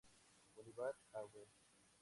Bolívar, Av.